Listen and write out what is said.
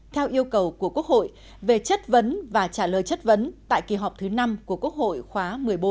theo yêu cầu của quốc hội về chất vấn và trả lời chất vấn tại kỳ họp thứ năm của quốc hội khóa một mươi bốn